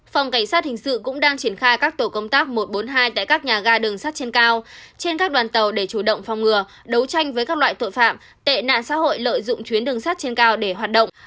phòng cảnh sát hình sự cũng đang triển khai các tổ công tác một trăm bốn mươi hai tại các nhà ga đường sắt trên cao trên các đoàn tàu để chủ động phòng ngừa đấu tranh với các loại tội phạm tệ nạn xã hội lợi dụng chuyến đường sắt trên cao để hoạt động